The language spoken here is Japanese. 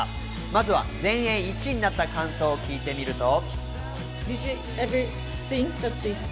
まずは全英１位になった感想を聞いてみると。